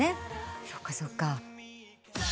そうかそうか。